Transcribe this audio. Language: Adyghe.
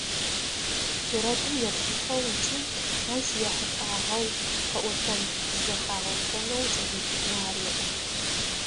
Сурэтым еплъынхэу ыкӏи ащ ехьылӏагъэу къэӏотэн къызэхагъэуцонэу кӏэлэцӏыкӏухэм ареӏо.